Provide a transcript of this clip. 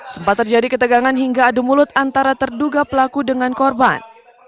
sempat terjadi ketegangan hingga adu mulut antara terduga pelaku dengan korban